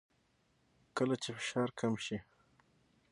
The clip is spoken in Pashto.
کله چې فشار کم شي